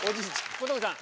小峠さん。